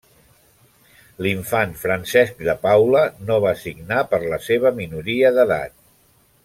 L'infant Francesc de Paula no va signar per la seva minoria d'edat.